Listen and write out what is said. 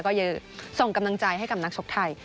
ก็เยอะส่งกำลังใจให้กับนักชกไทย